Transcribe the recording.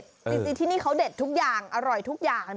จริงที่นี่เขาเด็ดทุกอย่างอร่อยทุกอย่าง